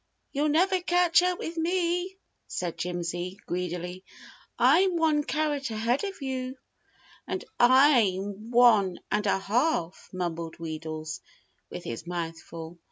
"You'll never catch up with me!" said Jimsy, greedily. "I'm one carrot ahead of you." "And I'm one and a half," mumbled Wheedles, with his mouth full.